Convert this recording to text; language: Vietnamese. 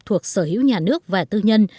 thuộc sở hữu nhà nước và tư nhân